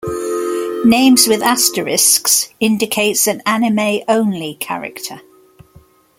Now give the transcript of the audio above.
Names with asterisks indicates an anime-only character.